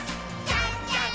じゃんじゃん！